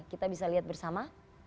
kita bisa lihat bersama